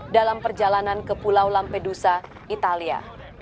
dalam perjalanan ke pulau lampedusa italia